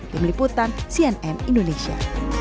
tim liputan cnn indonesia